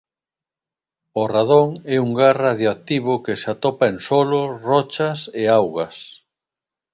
O radon é un gas radioactivo que se atopa en solos, rochas e augas.